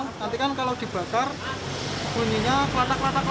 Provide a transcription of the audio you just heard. nantikan kalau dibakar bunyinya kelatak kelatak